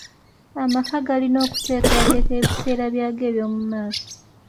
Amaka galina okuteekerateekera ebiseera byago ebyomumaaso.